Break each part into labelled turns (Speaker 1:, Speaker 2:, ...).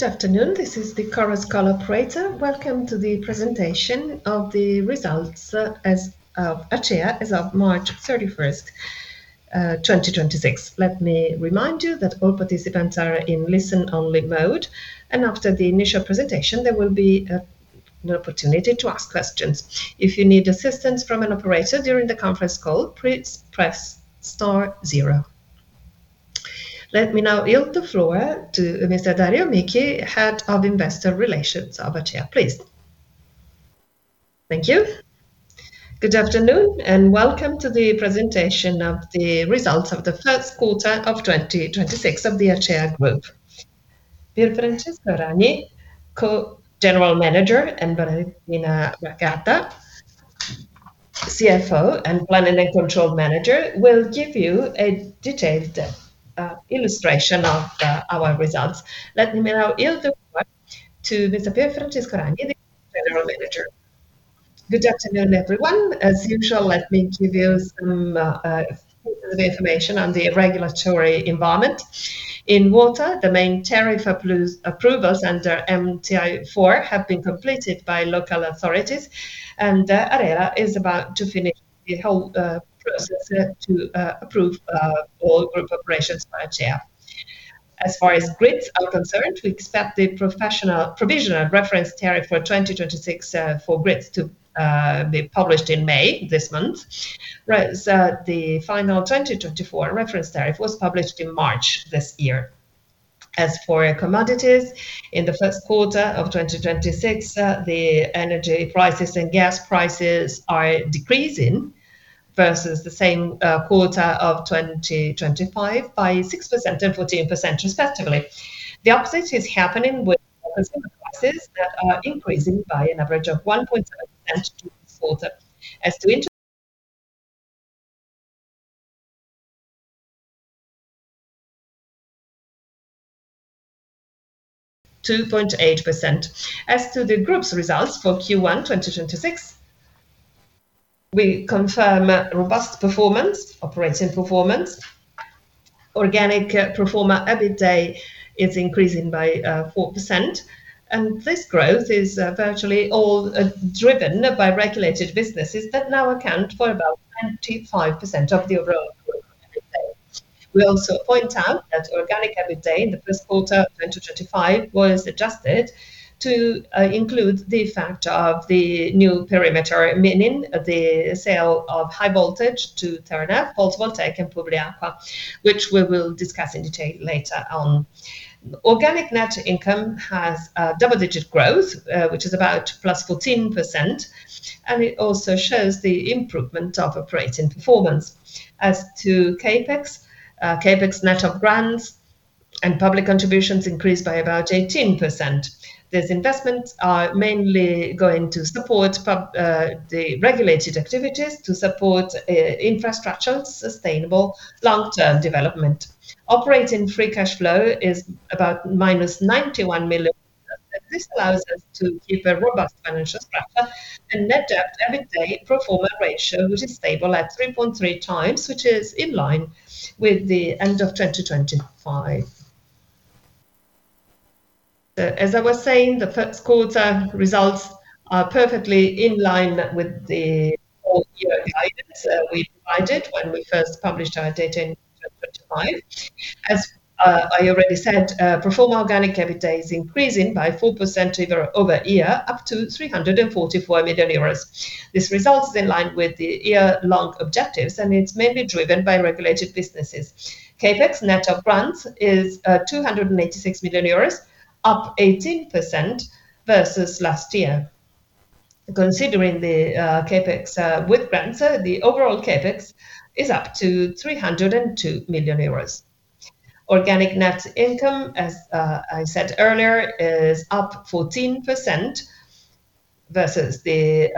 Speaker 1: Good afternoon. This is the Chorus Call operator. Welcome to the presentation of the results of ACEA as of March 31st, 2026. Let me remind you that all participants are in listen only mode. After the initial presentation, there will be an opportunity to ask questions. If you need assistance from an operator during the conference call, please press star zero. Let me now yield the floor to Mr. Dario Michi, Head of Investor Relations of ACEA. Please.
Speaker 2: Thank you. Good afternoon, welcome to the presentation of the results of the first quarter of 2026 of the Acea Group. Pier Francesco Ragni, Co-General Manager, and Valentina Bracaglia, CFO and Planning and Control Manager, will give you a detailed illustration of our results. Let me now yield the floor to Mr. Pier Francesco Ragni, the General Manager.
Speaker 3: Good afternoon, everyone. As usual, let me give you some information on the regulatory environment. In water, the main tariff approvals under MTI 4 have been completed by local authorities, and ARERA is about to finish the whole process to approve all group operations by Acea. As far as grids are concerned, we expect the professional provisional reference tariff for 2026 for grids to be published in May, this month. Whereas, the final 2024 reference tariff was published in March this year. As for commodities, in the first quarter of 2026, the energy prices and gas prices are decreasing versus the same quarter of 2025 by 6% and 14% respectively. The opposite is happening with consumer prices that are increasing by an average of 1.5% this quarter. As to 2.8%. As to the group's results for Q1 2026, we confirm a robust performance, operating performance. Organic pro forma EBITDA is increasing by 4%, this growth is virtually all driven by regulated businesses that now account for about 95% of the overall group. We also point out that organic EBITDA in the first quarter of 2025 was adjusted to include the effect of the new perimeter, meaning the sale of High Voltage to Terna, photovoltaic and Publiacqua, which we will discuss in detail later on. Organic net income has double-digit growth, which is about +14%, it also shows the improvement of operating performance. As to CapEx net of grants and public contributions increased by about 18%. These investments are mainly going to support the regulated activities to support infrastructure, sustainable long-term development. Operating free cash flow is about -91 million. This allows us to keep a robust financial structure and net debt every day pro forma ratio, which is stable at 3.3x, which is in line with the end of 2025. As I was saying, the first quarter results are perfectly in line with the whole year guidance we provided when we first published our data in 2025. As I already said, pro forma organic EBITDA is increasing by 4% over year, up to 344 million euros. This result is in line with the year-long objectives, it's mainly driven by regulated businesses. CapEx net of grants is 286 million euros, up 18% versus last year. Considering the CapEx with grants, the overall CapEx is up to 302 million euros. Organic net income, as I said earlier, is up 14% versus the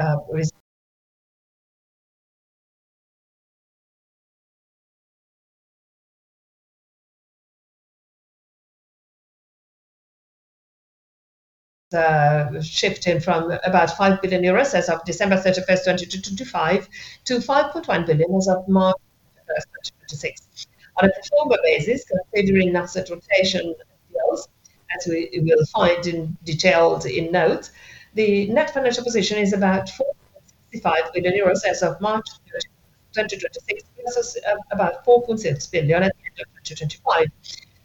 Speaker 3: shifting from about 5 billion euros as of December 31st, 2025 to 5.1 billion as of March 31st, 2026. On a pro forma basis, considering asset rotation as well, as we will find in details in notes, the net financial position is about 4.65 billion euros as of March 31st, 2026 versus about 4.6 billion at the end of 2025.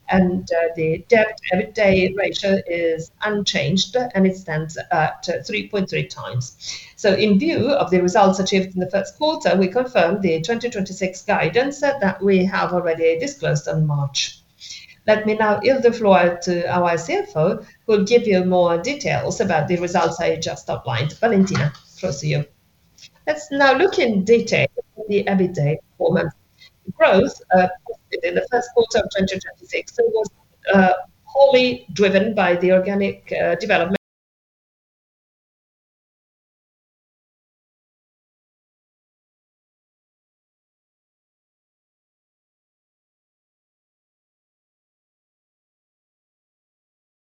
Speaker 3: The debt EBITDA ratio is unchanged, and it stands at 3.3x. In view of the results achieved in the first quarter, we confirm the 2026 guidance that we have already disclosed in March. Let me now yield the floor to our CFO, who will give you more details about the results I just outlined. Valentina, floor is to you.
Speaker 4: Let's now look in detail at the EBITDA performance. Growth posted in the first quarter of 2026, it was wholly driven by the organic development.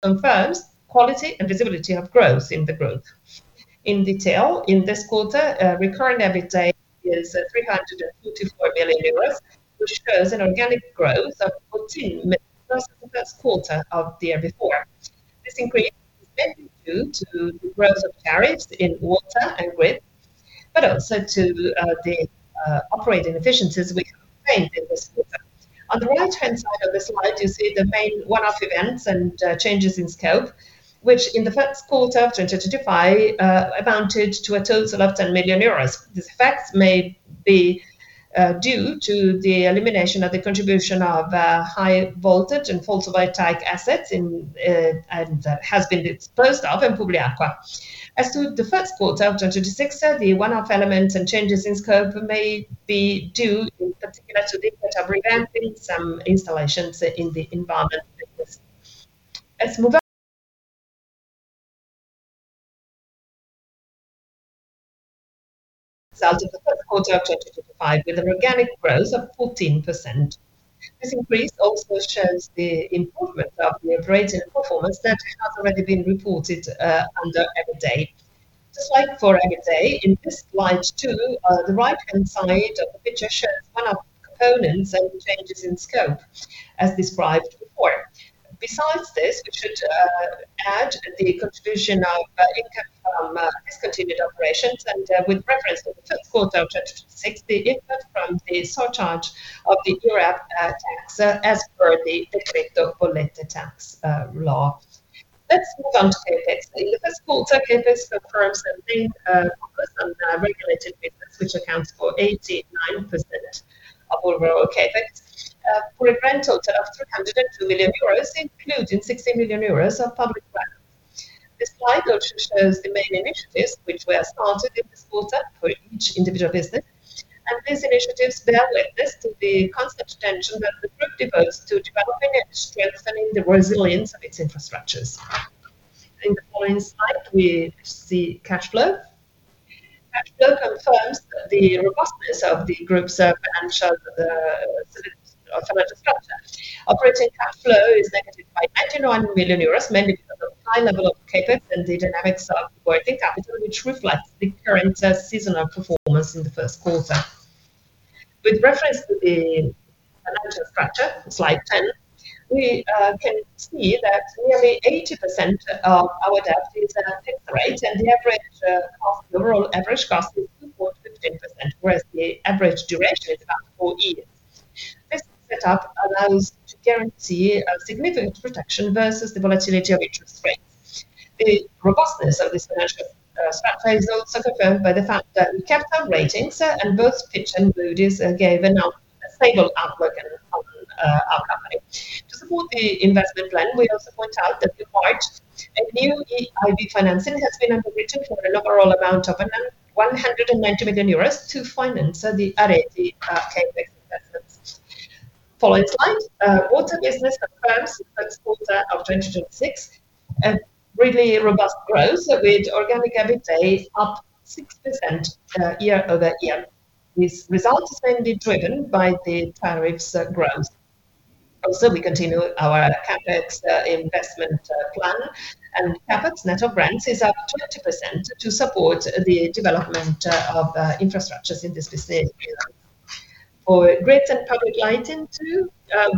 Speaker 4: Confirms quality and visibility of growth. In detail, in this quarter, recurring EBITDA is 344 million euros, which shows an organic growth of 14 million versus the first quarter of the year before. This increase is mainly due to the growth of tariffs in water and grid, but also to the operating efficiencies we have made in this quarter. On the right-hand side of the slide, you see the main one-off events and changes in scope, which in the first quarter of 2025 amounted to a total of 10 million euros. These effects may be due to the elimination of the contribution of High Voltage and photovoltaic assets and has been disposed of in Publiacqua. As to the first quarter of 2026, the one-off elements and changes in scope may be due in particular to the interim revamp in some installations in the environment business. Let's move on. Result of the first quarter of 2025 with an organic growth of 14%. This increase also shows the improvement of the operating performance that has already been reported under EBITDA. Just like for EBITDA, in this slide too, the right-hand side of the picture shows one-off components and changes in scope as described before. Besides this, we should add the contribution of income from discontinued operations and, with reference to the first quarter of 2026, the input from the surcharge of the IRAP tax, as per the Decreto Bollette tax law. Let's move on to CapEx. In the first quarter, CapEx confirms the main focus on regulated business, which accounts for 89% of overall CapEx, for a grand total of 302 million euros, including 60 million euros of public funds. This slide also shows the main initiatives which were started in this quarter for each individual business, and these initiatives bear witness to the constant attention that the group devotes to developing and strengthening the resilience of its infrastructures. In the following slide, we see cash flow. Cash flow confirms the robustness of the group's financial structure. Operating cash flow is negative by 91 million euros, mainly because of high level of CapEx and the dynamics of working capital, which reflects the current seasonal performance in the first quarter. With reference to the financial structure, slide 10, we can see that nearly 80% of our debt is at a fixed rate, and the average cost, the overall average cost is 2.15%, whereas the average duration is about four years. This setup allows to guarantee a significant protection versus the volatility of interest rates. The robustness of this financial structure is also confirmed by the fact that we kept our ratings, and both Fitch and Moody's gave a stable outlook on our company. To support the investment plan, we also point out that in March, a new EIB financing has been undertaken for an overall amount of 190 million euros to finance the Areti CapEx investments. Following slide, water business confirms the first quarter of 2026 a really robust growth with organic EBITDA up 6% year-over-year. These results have mainly driven by the tariffs growth. We continue our CapEx investment plan. CapEx net of rents is up 20% to support the development of infrastructures in this business area. For grid and public lighting, too,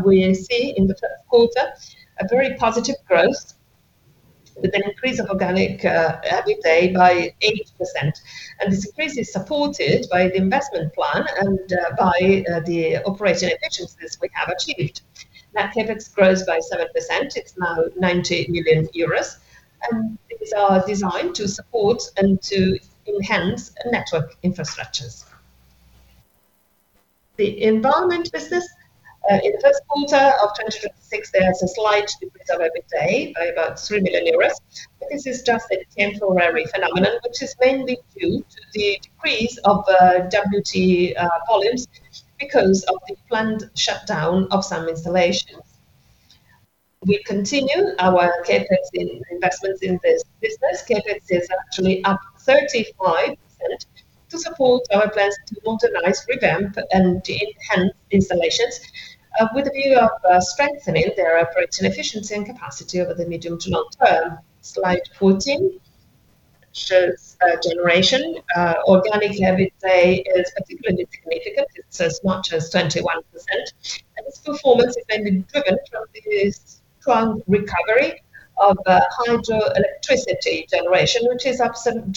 Speaker 4: we see in the first quarter a very positive growth with an increase of organic EBITDA by 8%. This increase is supported by the investment plan and by the operating efficiencies we have achieved. Net CapEx grows by 7%. It's now 90 million euros, and these are designed to support and to enhance network infrastructures. The environment business in the first quarter of 2026, there is a slight decrease of EBITDA by about 3 million euros. This is just a temporary phenomenon, which is mainly due to the decrease of WTE volumes because of the planned shutdown of some installations. We continue our CapEx investments in this business. CapEx is actually up 35% to support our plans to modernize, revamp, and to enhance installations, with a view of strengthening their operating efficiency and capacity over the medium to long term. Slide 14 shows generation. Organic EBITDA is particularly significant. It's as much as 21%, this performance has mainly driven from the strong recovery of hydroelectricity generation, which is up 727%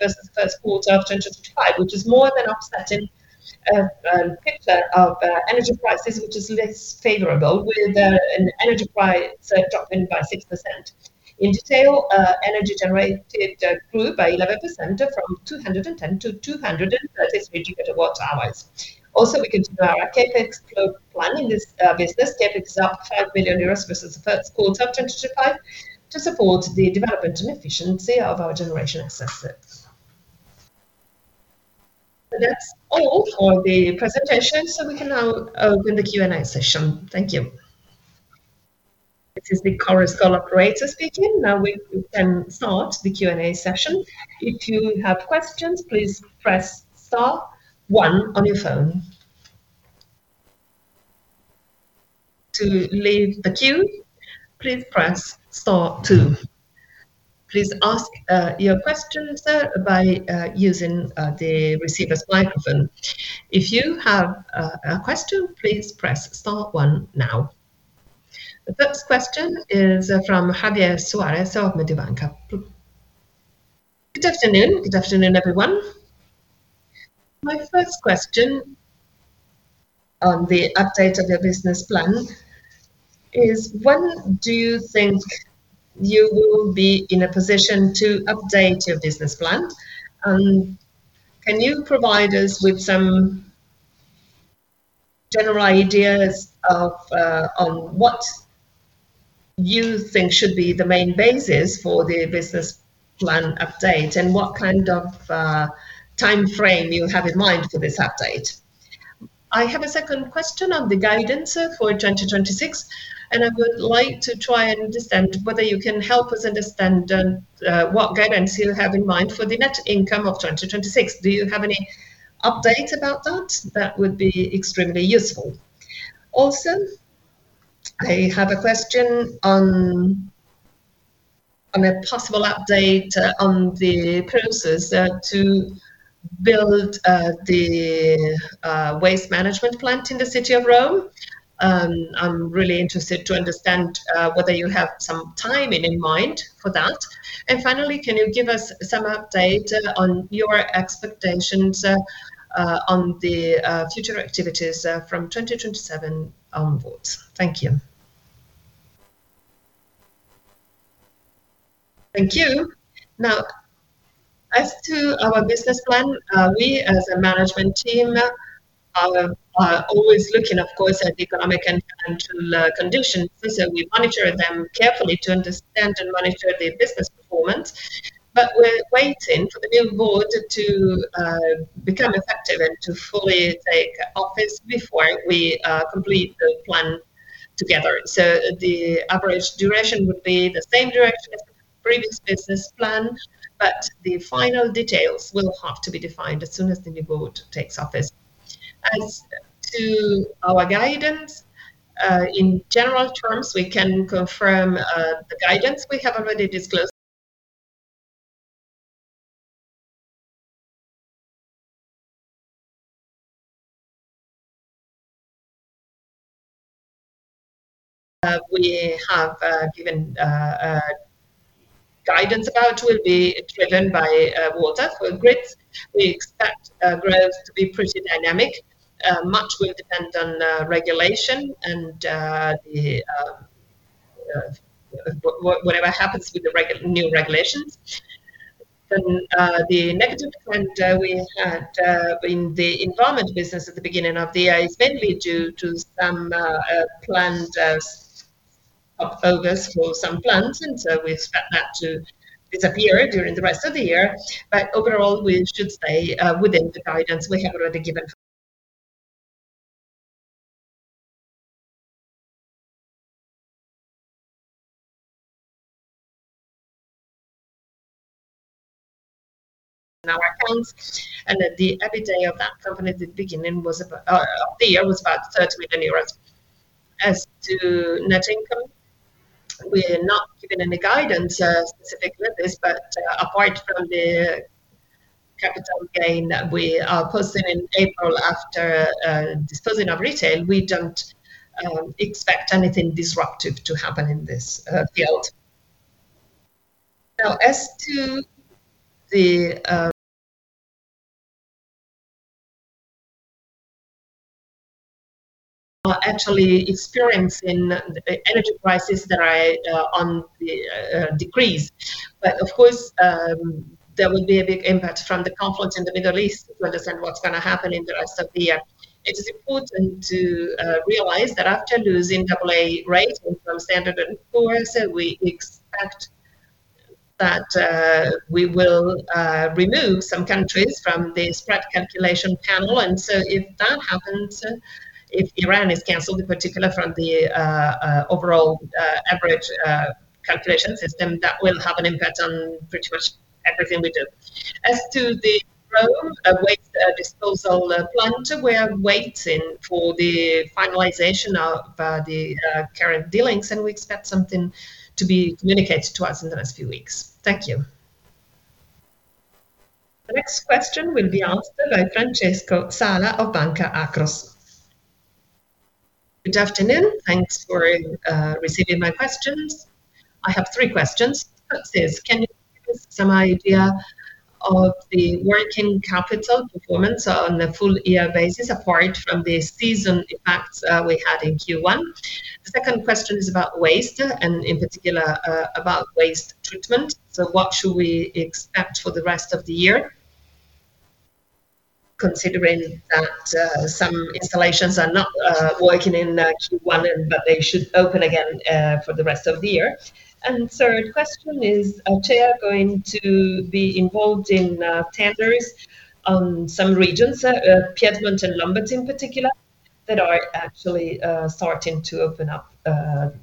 Speaker 4: versus the first quarter of 2025, which is more than offsetting inflation of energy prices, which is less favorable with an energy price dropping by 6%. In detail, energy generated grew by 11% from 210-233 GWh. We continue our CapEx load planning this business. CapEx is up 5 million euros versus the Q1 2025 to support the development and efficiency of our generation assets. That's all for the presentation, so we can now open the Q&A session. Thank you.
Speaker 1: This is the Chorus Call operator speaking. Now we can start the Q&A session. If you have questions, please press star one on your phone. To leave the queue, please press star two. Please ask your question, sir, by using the receiver's microphone. If you have a question, please press star one now. The first question is from Javier Suárez of Mediobanca.
Speaker 5: Good afternoon. Good afternoon, everyone. My first question on the update of your business plan is when do you think you will be in a position to update your business plan? Can you provide us with some general ideas on what you think should be the main basis for the business plan update, and what kind of timeframe you have in mind for this update? I have a second question on the guidance for 2026, and I would like to try and understand whether you can help us understand what guidance you have in mind for the net income of 2026. Do you have any update about that? That would be extremely useful. Also, I have a question on a possible update on the process to build the waste management plant in the city of Rome. I'm really interested to understand whether you have some timing in mind for that. Finally, can you give us some update on your expectations on the future activities from 2027 onwards? Thank you.
Speaker 3: As to our business plan, we as a management team are always looking, of course, at economic and financial conditions, we monitor them carefully to understand and monitor the business performance. We're waiting for the new board to become effective and to fully take office before we complete the plan together. The average duration would be the same duration as the previous business plan, the final details will have to be defined as soon as the new board takes office. As to our guidance, in general terms, we can confirm the guidance we have already disclosed. We have given guidance about will be driven by water with grids. We expect growth to be pretty dynamic, much will depend on regulation and the whatever happens with the new regulations. The negative point we had in the environment business at the beginning of the year is mainly due to some planned stop focus for some plants, and so we expect that to disappear during the rest of the year. Overall, we should stay within the guidance we have already given. The EBITDA of that company at the beginning of the year was about 30 million euros. As to net income, we're not giving any guidance specific with this, but apart from the capital gain that we are posting in April after disposing of retail, we don't expect anything disruptive to happen in this field. Now, as to the are actually experiencing the energy prices that are on the decrease. Of course, there will be a big impact from the conflict in the Middle East to understand what's gonna happen in the rest of the year. It is important to realize that after losing AA rate from Standard & Poor's, we expect that we will remove some countries from the spread calculation panel. If that happens, if Iran is canceled in particular from the overall average calculation system, that will have an impact on pretty much everything we do. As to the Rome waste disposal plant, we're waiting for the finalization of the current dealings, and we expect something to be communicated to us in the next few weeks. Thank you.
Speaker 1: The next question will be answered by Francesco Sala of Banca Akros.
Speaker 6: Good afternoon. Thanks for receiving my questions. I have three questions. First is, can you give us some idea of the working capital performance on a full year basis apart from the season impacts we had in Q1? The second question is about waste and in particular, about waste treatment. What should we expect for the rest of the year considering that some installations are not working in Q1, but they should open again for the rest of the year? Third question, is Acea going to be involved in tenders on some regions, Piedmont and Lombardy in particular, that are actually starting to open up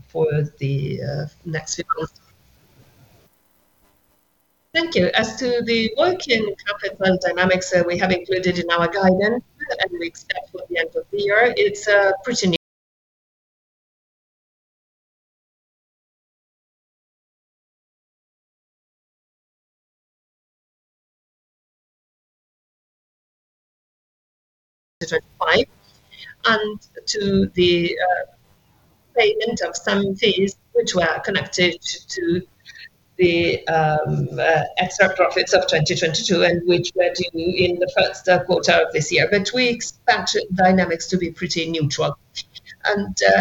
Speaker 6: for the next few quarters?
Speaker 3: Thank you. As to the working capital dynamics that we have included in our guidance, and we expect for the end of the year, it's pretty new. EUR 25, and to the payment of some fees which were connected to the extra profits of 2022, and which were due in the first quarter of this year. We expect dynamics to be pretty neutral.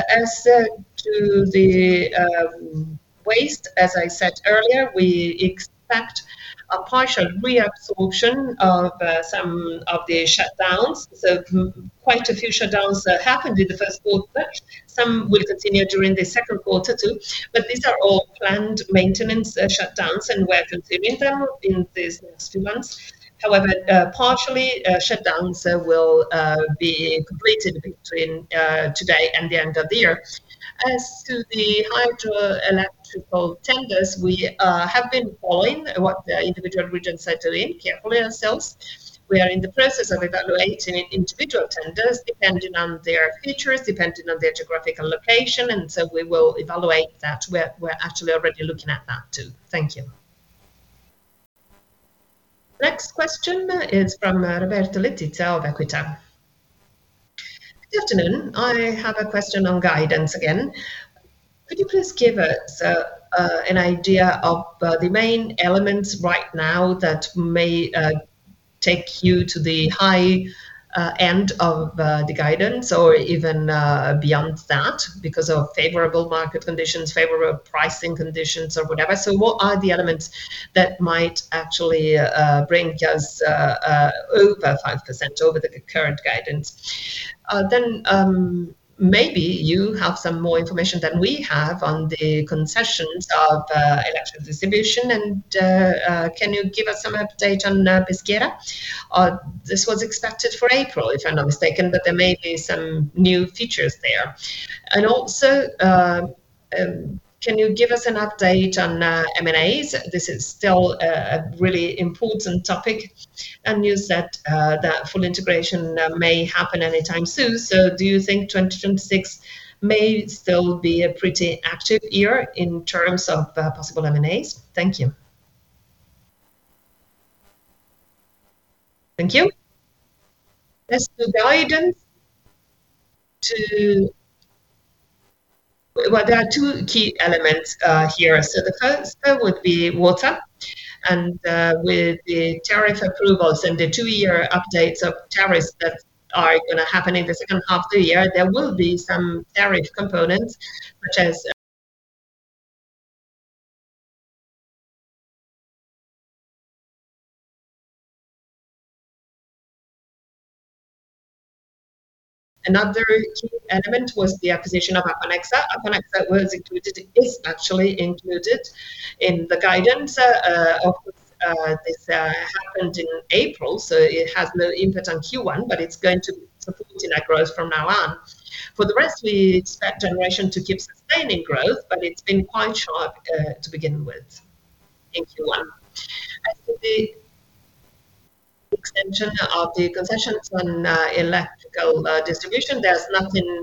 Speaker 3: As to the waste, as I said earlier, we expect a partial reabsorption of some of the shutdowns. Quite a few shutdowns happened in the first quarter. Some will continue during the second quarter too. These are all planned maintenance shutdowns, and we are consuming them in these next two months. However, partially, shutdowns will be completed between today and the end of the year. As to the hydroelectrical tenders, we have been following what the individual regions are doing carefully ourselves. We are in the process of evaluating individual tenders depending on their features, depending on their geographical location, we will evaluate that. We're actually already looking at that too. Thank you.
Speaker 1: Next question is from Roberto Letizia of Equita.
Speaker 7: Good afternoon. I have a question on guidance again. Could you please give us an idea of the main elements right now that may take you to the high end of the guidance or even beyond that because of favorable market conditions, favorable pricing conditions or whatever? What are the elements that might actually bring us over 5%, over the current guidance? Then maybe you have some more information than we have on the concessions of electric distribution, can you give us some update on Peschiera? This was expected for April, if I'm not mistaken, there may be some new features there. Can you give us an update on M&As? This is still a really important topic, you said that full integration may happen anytime soon. Do you think 2026 may still be a pretty active year in terms of possible M&As? Thank you.
Speaker 3: Thank you. As to guidance, there are two key elements here. The first would be water and, with the tariff approvals and the two-year updates of tariffs that are going to happen in the second half of the year, there will be some tariff components. Another key element was the acquisition of Aquanexa. Aquanexa is actually included in the guidance. Of course, this happened in April, so it has no input on Q1, but it's going to support Enagás from now on. For the rest, we expect generation to keep sustaining growth, but it's been quite short to begin with in Q1. As to the extension of the concessions on electrical distribution, there's nothing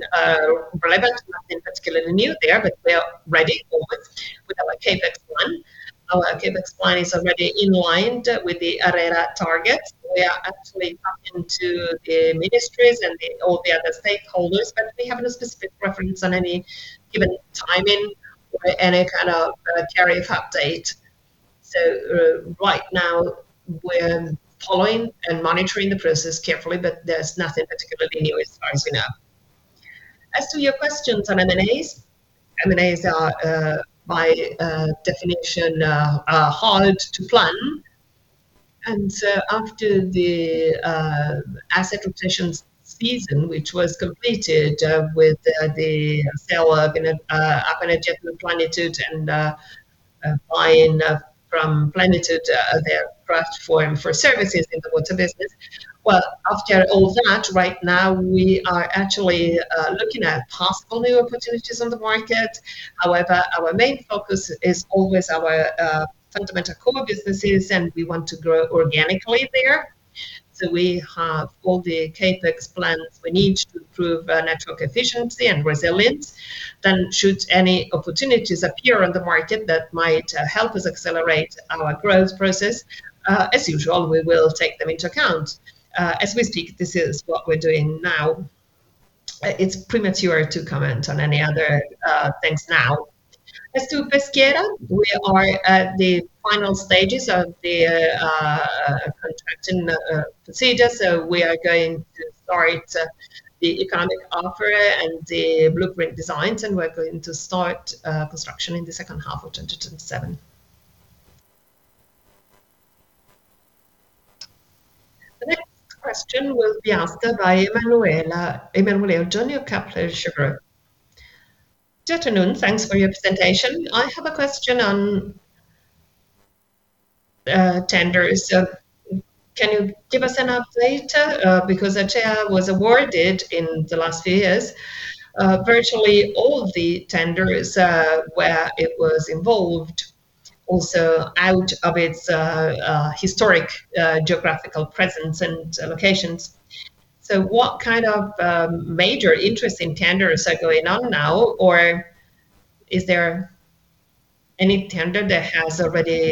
Speaker 3: relevant, nothing particularly new there, but we are ready for it with our CapEx plan. Our CapEx plan is already in line with the ARERA target. We are actually talking to the ministries and the all the other stakeholders, but we have no specific preference on any given timing or any kind of tariff update. Right now, we're following and monitoring the process carefully, but there's nothing particularly new as far as we know. As to your questions on M&As, M&As are by definition hard to plan. After the asset acquisitions season, which was completed with the sale of, you know, Aquanexa to Algebris and buying from Algebris their platform for services in the water business. After all that, right now, we are actually looking at possible new opportunities on the market. Our main focus is always our fundamental core businesses, and we want to grow organically there. We have all the CapEx plans we need to improve network efficiency and resilience. Should any opportunities appear on the market that might help us accelerate our growth process, as usual, we will take them into account. As we speak, this is what we're doing now. It's premature to comment on any other things now. Peschiera, we are at the final stages of the contracting procedure, so we are going to start the economic offer and the blueprint designs, and we're going to start construction in the second half of 2027.
Speaker 1: The next question will be asked by Emanuele Sartori, Kepler Cheuvreux.
Speaker 8: Good afternoon. Thanks for your presentation. I have a question on tenders. Can you give us an update? Because ACEA was awarded in the last few years virtually all the tenders where it was involved also out of its historic geographical presence and locations. What kind of major interesting tenders are going on now, or is there any tender that has already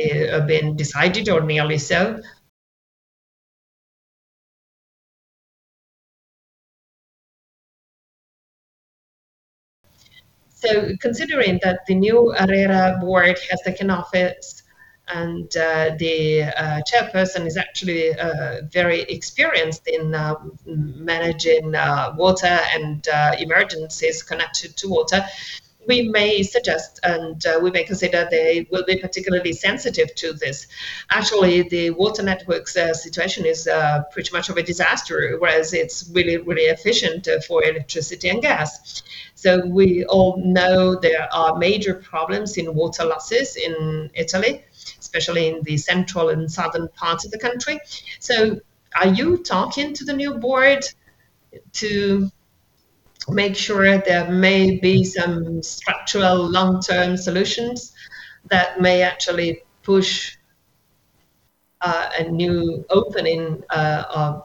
Speaker 8: been decided or nearly so? Considering that the new ARERA board has taken office and the chairperson is actually very experienced in managing water and emergencies connected to water, we may suggest, and we may consider they will be particularly sensitive to this. Actually, the water network's situation is pretty much of a disaster, whereas it's really, really efficient for electricity and gas. We all know there are major problems in water losses in Italy, especially in the central and southern parts of the country. Are you talking to the new board to make sure there may be some structural long-term solutions that may actually push a new opening of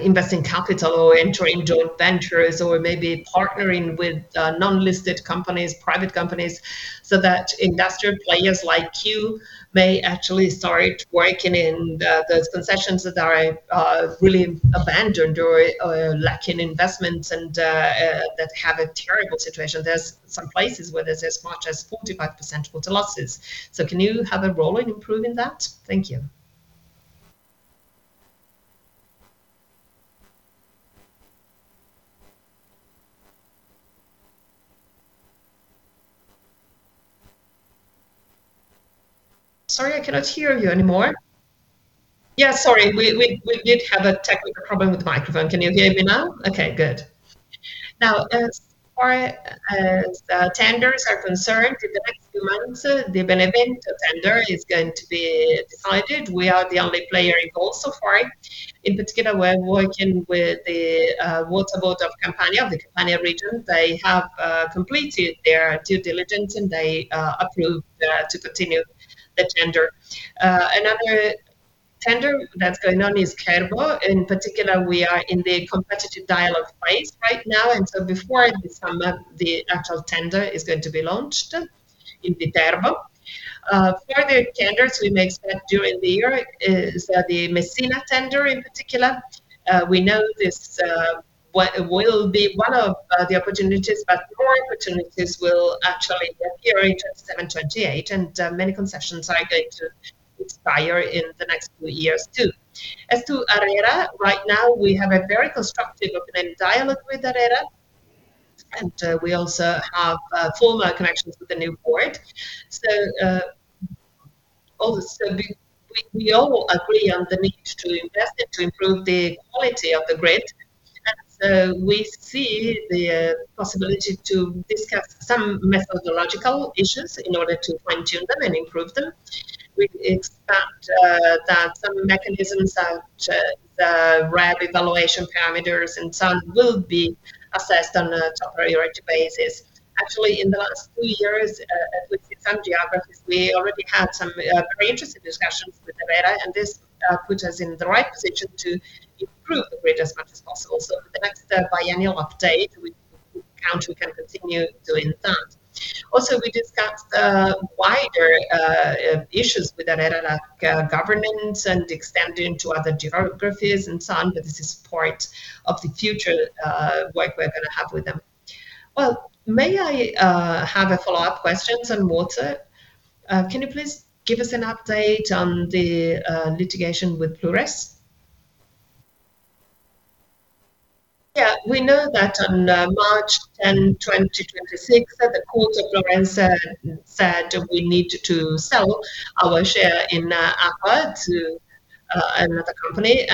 Speaker 8: investing capital or entering joint ventures or maybe partnering with non-listed companies, private companies, so that investor players like you may actually start working in those concessions that are really abandoned or lacking investments and that have a terrible situation? There's some places where there's as much as 45% water losses. Can you have a role in improving that? Thank you.
Speaker 3: Sorry, I cannot hear you anymore. Sorry. We did have a technical problem with the microphone. Can you hear me now? Okay, good. As far as tenders are concerned, in the next few months, the Benevento tender is going to be decided. We are the only player involved so far. In particular, we're working with the water board of Campania, of the Campania region. They have completed their due diligence, and they approved to continue the tender. Another tender that's going on is Cerchio. In particular, we are in the competitive dialogue phase right now, before the summer, the actual tender is going to be launched in the Cerchio. Further tenders we may expect during the year is the Messina tender in particular. We know this will be one of the opportunities, more opportunities will actually appear in 27, 28, many concessions are going to expire in the next few years, too. As to ARERA, right now we have a very constructive open-end dialogue with ARERA, we also have formal connections with the new board. Also we all agree on the need to invest and to improve the quality of the grid. We see the possibility to discuss some methodological issues in order to fine-tune them and improve them. We expect that some mechanisms such as RAB evaluation parameters and some will be assessed on a top priority basis. Actually, in the last few years, with some geographies, we already had some very interesting discussions with ARERA, and this put us in the right position to improve the grid as much as possible. For the next biennial update, we count we can continue doing that. Also, we discussed wider issues with ARERA, governance and expanding to other geographies and so on, but this is part of the future work we're gonna have with them.
Speaker 8: Well, may I have a follow-up questions on water? Can you please give us an update on the litigation with Plures?
Speaker 4: Yeah. We know that on March 10th, 2026, that the court of Firenze said we need to sell our share in Publiacqua to another company.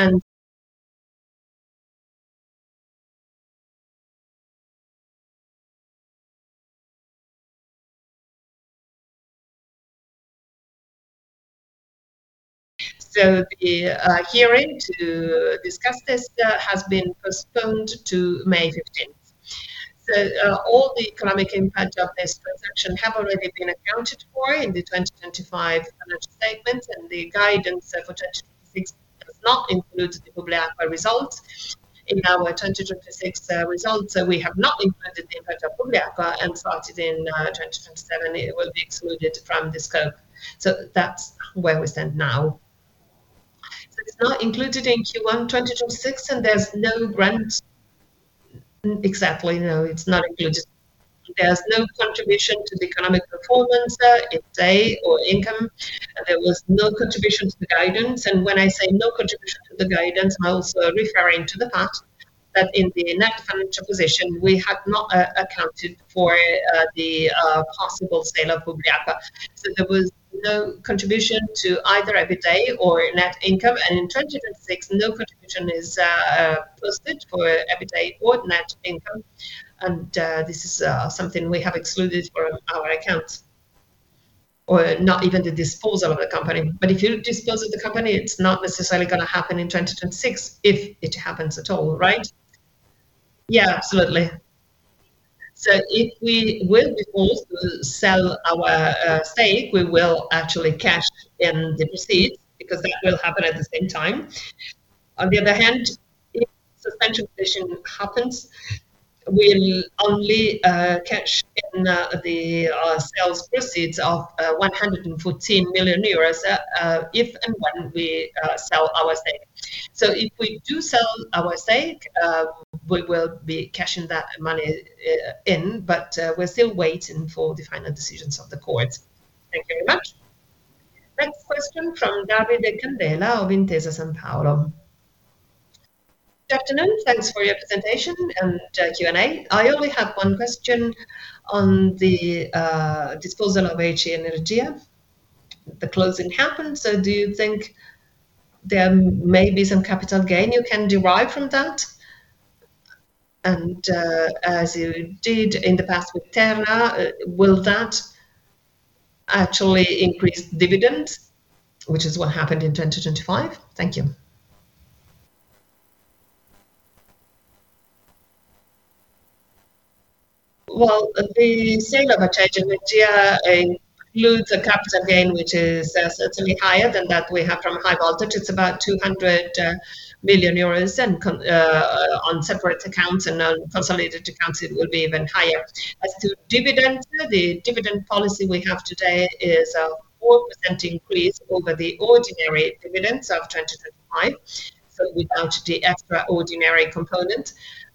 Speaker 4: The hearing to discuss this has been postponed to May 15th. All the economic impact of this transaction have already been accounted for in the 2025 financial statement, and the guidance for 2026 does not include the Publiacqua results. In our 2026 results, we have not included the impact of Publiacqua, and starting in 2027 it will be excluded from the scope. That's where we stand now. It's not included in Q1 2026, and there's no grant. Exactly. It's not included. There's no contribution to the economic performance, EBITDA or income. There was no contribution to the guidance, and when I say no contribution to the guidance, I'm also referring to the fact that in the net financial position, we have not accounted for the possible sale of Publiacqua. There was no contribution to either EBITDA or net income, and in 2026, no contribution is posted for EBITDA or net income, and this is something we have excluded from our accounts, or not even the disposal of the company. If you dispose of the company, it's not necessarily gonna happen in 2026, if it happens at all, right? Yeah, absolutely. If we will be forced to sell our stake, we will actually cash in the proceeds, because that will happen at the same time. On the other hand, if suspension decision happens, we'll only cash in the, our sales proceeds of 114 million euros, if and when we sell our stake. If we do sell our stake, we will be cashing that money in, but we're still waiting for the final decisions of the court.
Speaker 8: Thank you very much.
Speaker 1: Next question from Davide Candela of Intesa Sanpaolo.
Speaker 9: Good afternoon. Thanks for your presentation and Q&A. I only have one question on the disposal of Acea Energia. The closing happened, do you think there may be some capital gain you can derive from that? As you did in the past with Terna, will that actually increase dividends, which is what happened in 2025? Thank you.
Speaker 4: The sale of Acea Energia includes a capital gain, which is certainly higher than that we have from High Voltage. It's about 200 million euros on separate accounts, and on consolidated accounts it will be even higher. As to dividend, the dividend policy we have today is a 4% increase over the ordinary dividends of 2025, so without the extra ordinary component.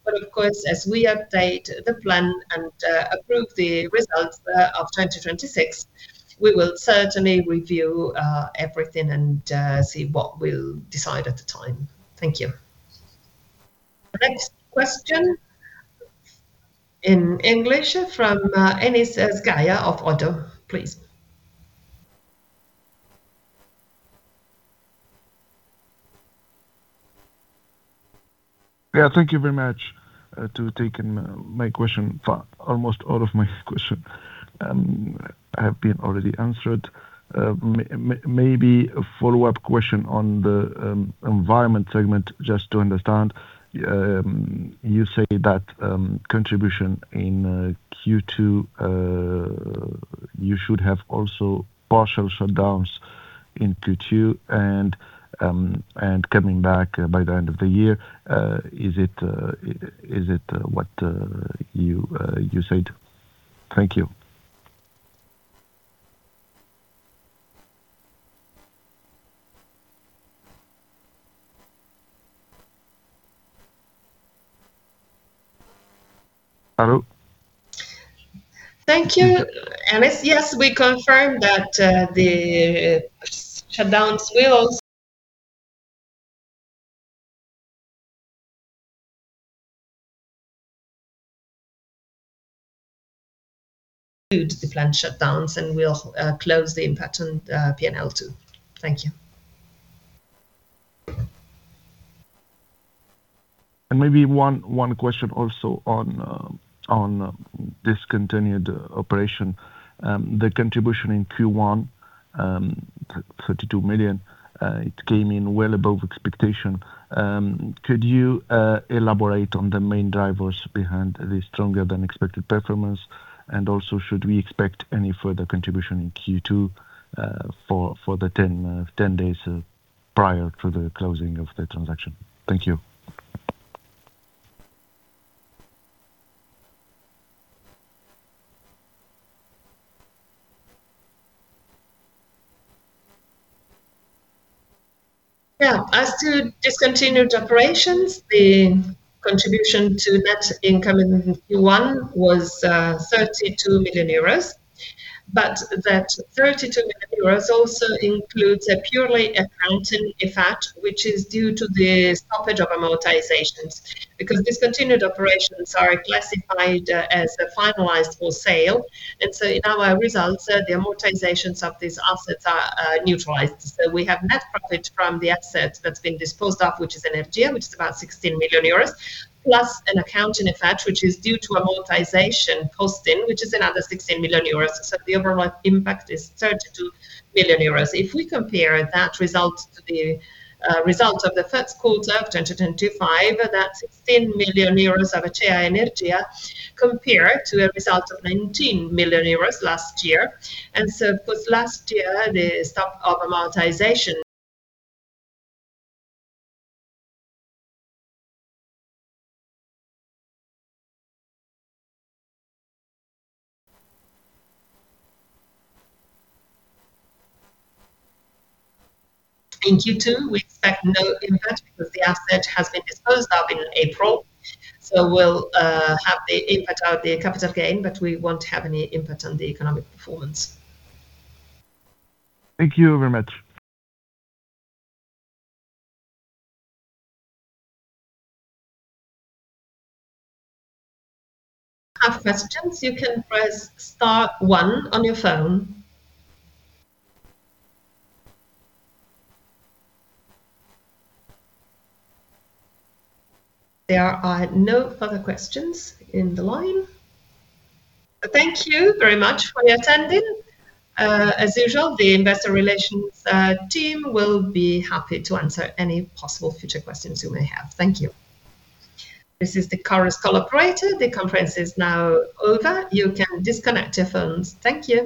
Speaker 4: Of course, as we update the plan and approve the results of 2026, we will certainly review everything and see what we'll decide at the time. Thank you.
Speaker 1: Next question in English from Enis Zeka of Oddo. Please.
Speaker 10: Yeah, thank you very much, to taking my question. Almost all of my question have been already answered. Maybe a follow-up question on the environment segment, just to understand. You say that contribution in Q2, you should have also partial shutdowns in Q2 and coming back by the end of the year. Is it, what you said? Thank you. Hello?
Speaker 3: Thank you, Enis. Yes, we confirm that the shutdowns will include the planned shutdowns, and will close the impact on P&L too. Thank you.
Speaker 10: Maybe one question also on discontinued operation. The contribution in Q1, 32 million, it came in well above expectation. Could you elaborate on the main drivers behind this stronger than expected performance? Should we expect any further contribution in Q2 for the 10 days prior to the closing of the transaction? Thank you.
Speaker 4: Yeah. As to discontinued operations, the contribution to net income in Q1 was 32 million euros. That 32 million euros also includes a purely accounting effect, which is due to the stoppage of amortizations, because discontinued operations are classified as a finalized for sale. In our results, the amortizations of these assets are neutralized. We have net profit from the asset that's been disposed of, which is an FGM, which is about 16 million euros, plus an accounting effect, which is due to amortization costing, which is another 16 million euros. The overall impact is 32 million euros. If we compare that result to the result of the first quarter of 2025, that 16 million euros of Acea Energia compare to a result of 19 million euros last year. Of course, last year, the stop of amortization. In Q2, we expect no impact because the asset has been disposed of in April. We'll have the impact of the capital gain, but we won't have any impact on the economic performance.
Speaker 10: Thank you very much.
Speaker 1: Have questions, you can press star one on your phone. There are no further questions in the line. Thank you very much for attending. As usual, the investor relations team will be happy to answer any possible future questions you may have. Thank you. This is the Chorus Call operator. The conference is now over. You can disconnect your phones. Thank you.